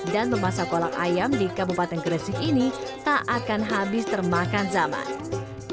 dan memasak kolak ayam di kabupaten gresik ini tak akan habis termakan zaman